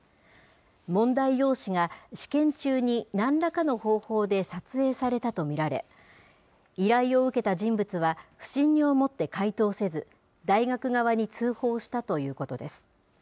問題用紙が試験中になんらかの方法で撮影されたと見られ、依頼を受けた人物は不審に思って解答せず、大学側に通報したということです。